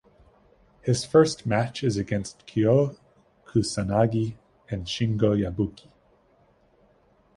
His first match is against Kyo Kusanagi and Shingo Yabuki.